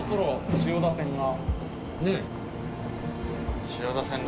千代田線だ。